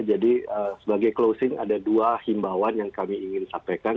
jadi sebagai closing ada dua himbauan yang kami ingin sampaikan